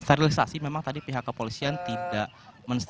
stabilisasi memang tadi pihak kepolisian tidak mencari